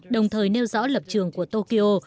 đồng thời nêu rõ lập trường của tokyo